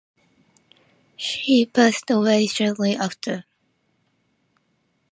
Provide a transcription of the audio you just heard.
She passed away shortly after.